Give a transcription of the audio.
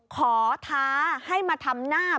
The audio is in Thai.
ท้าให้มาทำหน้า